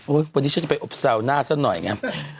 วันนี้ช่วยไปอบซาวน่าซะหน่อยไง